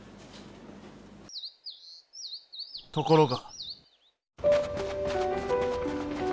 ところが。